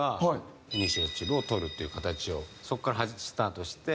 そこからスタートして。